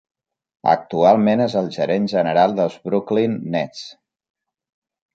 Actualment és el gerent general dels Brooklyn Nets.